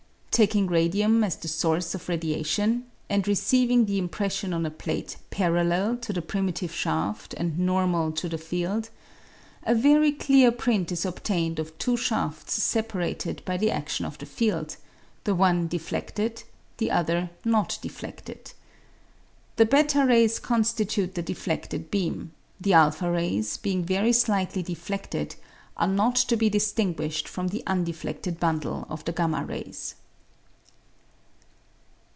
Taking radium as the source of radiation, and receiving the impression on a plate parallel to the primitive shaft and normal to the field, a very clear print is obtained of two shafts separated by the adion of the field, the one defledted, the other not de fledled. The /rf rays constitute the defledted beam ; the ■< rays, being very slightly deflected, are not to be distin guished from the undefleded bundle of the y rays.